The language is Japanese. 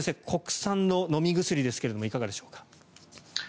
国産の飲み薬ですけどいかがでしょうか。